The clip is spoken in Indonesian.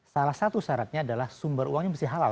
salah satu syaratnya adalah sumber uangnya mesti halal